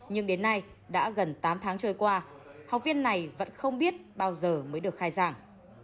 nhưng đến nay đã gần tám tháng trôi qua học viên này vẫn không biết bao giờ mới được khai giảng